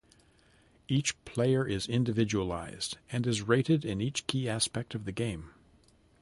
Each player is individualized, and is rated in each key aspect of the game.